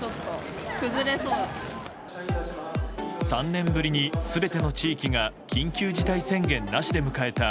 ３年ぶりに全ての地域が緊急事態宣言なしで迎えた